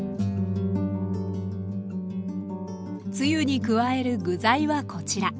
つゆに加える具材はこちら。